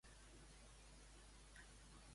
Mostrar el lloc on soc fins a les tres.